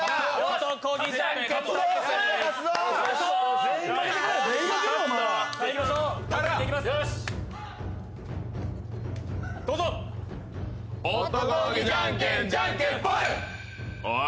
男気じゃんけん、じゃんけんぽい。